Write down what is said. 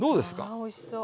わあおいしそう。